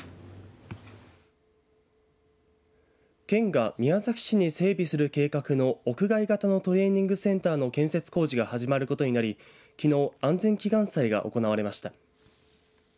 県が宮崎市に整備する計画の屋外型のトレーニングセンターの建設工事が始まることになりきのう安全祈願祭が行われました。